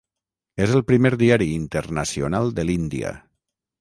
És el primer diari internacional de l'Índia.